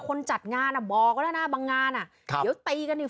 จัดงานอ่ะบอกแล้วนะบางงานอ่ะครับเดี๋ยวตีกันอีก